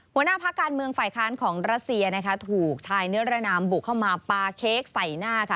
หัวหน้าพักการเมืองฝ่ายค้านของรัสเซียนะคะถูกชายเนื้อระนามบุกเข้ามาปลาเค้กใส่หน้าค่ะ